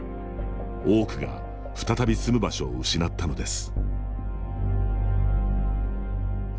多くが再び住む場所を失ったのです。